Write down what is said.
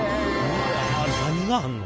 何があんの？